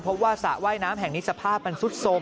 เพราะว่าสระว่ายน้ำแห่งนี้สภาพมันซุดโทรม